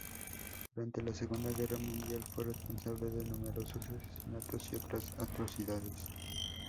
Durante la Segunda Guerra Mundial fue responsable de numerosos asesinatos y otras atrocidades.